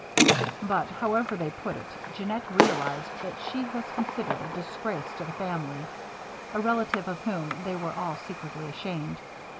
But, however they put it, Jeannette realized that she was considered a disgrace to the family, a relative of whom they were all secretly ashamed.